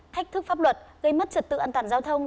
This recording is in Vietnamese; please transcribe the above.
thách thức pháp luật gây mất trật tự an toàn giao thông